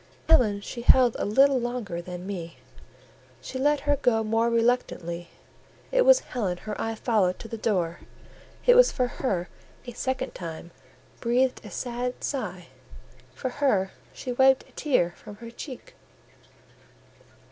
Helen she held a little longer than me: she let her go more reluctantly; it was Helen her eye followed to the door; it was for her she a second time breathed a sad sigh; for her she wiped a tear from her cheek.